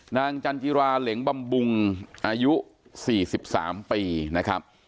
นางจันทรีย์ราเหล็งบำบุงอายุ๔๓ปีนะครับ